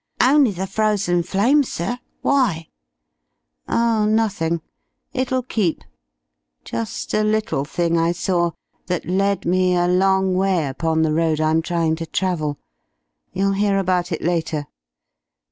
"Only the Frozen Flames, sir. Why?" "Oh, nothing. It'll keep. Just a little thing I saw that led me a long way upon the road I'm trying to travel. You'll hear about it later.